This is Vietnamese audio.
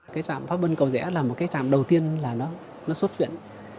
cái trạm pháp bân cầu rẽ là một cái trạm đầu tiên là nó xuất chuyển